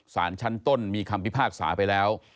สารชั้นต้นมีคำพิพากษาไปแล้ว